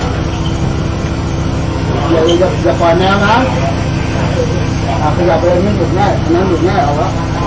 ขาตึงปะจับเนี้ยไม่ได้ที่ประตูทางนี้นิดหนึ่งไม่ได้เต็ม